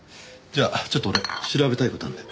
じゃあちょっと俺調べたい事あるんで。